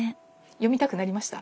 読みたくなりました？